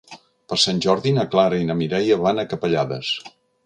Per Sant Jordi na Clara i na Mireia van a Capellades.